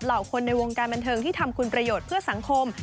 คนในวงการบันเทิงที่ทำคุณประโยชน์เพื่อสังคม